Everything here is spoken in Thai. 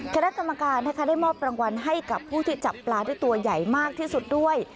คณะกรรมการนะคะได้มอบรางวัลให้กับผู้ที่จับปลาได้ตัวใหญ่มากที่สุดด้วย